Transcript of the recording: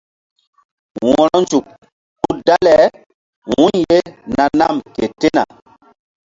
Wo̧ronzuk hul dale wu̧y ye na nam ke tena.